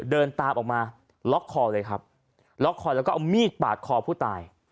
เดินตามออกมาล็อกคอเลยครับล็อกคอแล้วก็เอามีดปาดคอผู้ตาย